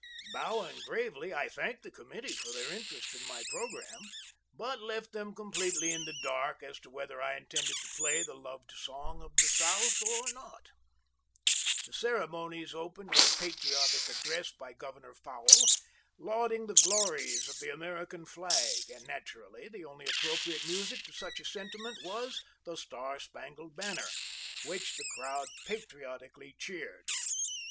Bowing gravely, I thanked the committee for their interest in my programme, but left them completely in the dark as to whether I intended to play the loved song of the South or not. "Dixie," by the President's Band. The ceremonies opened with a patriotic address by Governor Fowle, lauding the glories of the American flag and naturally the only appropriate music to such a sentiment was "The Star Spangled Banner," which the crowd patriotically cheered.